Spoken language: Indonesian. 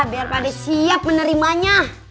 biar pade siap menerimanya